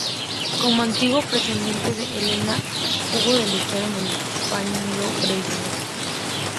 Como antiguo pretendiente de Helena hubo de luchar en el bando griego.